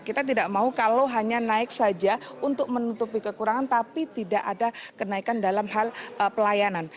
kita tidak mau kalau hanya naik saja untuk menutupi kekurangan tapi tidak ada kenaikan dalam hal pelayanan